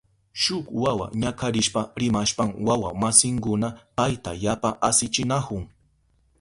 Shuk wawa ñakarishpa rimashpan wawa masinkuna payta yapa asichinahun.